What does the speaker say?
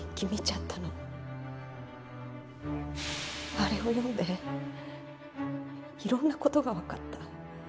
あれを読んでいろんな事がわかった。